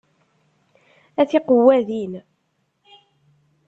A tiqewwadin!